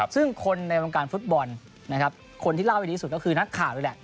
ซึ่งคนในวงการฟุตบอลนะครับคนที่เล่าให้ดีที่สุดก็คือนักข่าวนี่แหละ